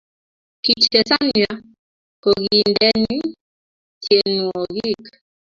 Kichesan ya kokindene tyenwogik